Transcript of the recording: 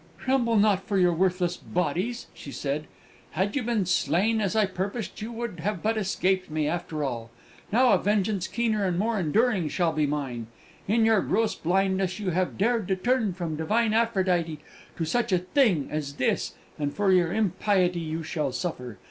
"Tremble not for your worthless bodies," she said; "had you been slain, as I purposed, you would but have escaped me, after all! Now a vengeance keener and more enduring shall be mine! In your gross blindness, you have dared to turn from divine Aphrodite to such a thing as this, and for your impiety you shall suffer!